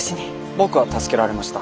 僕は助けられました。